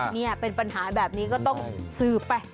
นี่เป็นปัญหาแบบนี้ก็ต้องสืบไป